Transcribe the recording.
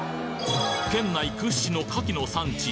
県内屈指の牡蠣の産地